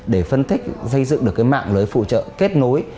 để phân tích xây dựng được cái mạng lưới phụ trợ kết nối